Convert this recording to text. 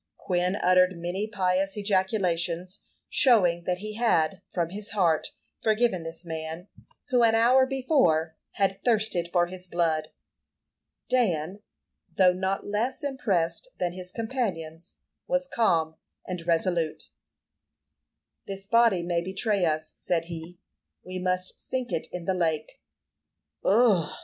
Quin uttered many pious ejaculations, showing that he had, from his heart, forgiven this man, who, an hour before, had thirsted for his blood. Dan, though not less impressed than his companions, was calm and resolute. "This body may betray us," said he. "We must sink it in the lake." "Ugh!"